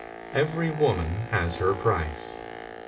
Every woman has her price.